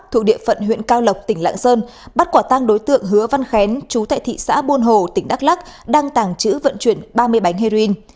thuộc địa phận huyện cao lộc tỉnh lạng sơn bắt quả tăng đối tượng hứa văn khén chú tại thị xã buôn hồ tỉnh đắk lắc đang tàng trữ vận chuyển ba mươi bánh heroin